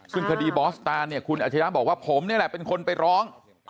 ตรงคดีบอสตานคุณอาชญาบอกว่าผมนี่แหละเป็นคนไปร้อง